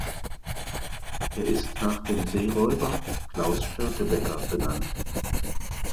Es ist nach dem Seeräuber Klaus Störtebeker benannt.